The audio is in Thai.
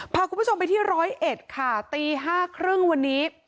พาคุณผู้ชมไปที่ร้อยเอ็ดค่ะตี๕๓๐วันนี้